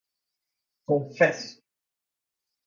confesso